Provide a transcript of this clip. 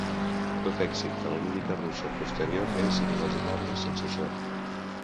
Tot èxit de la lírica russa posterior és inimaginable sense això.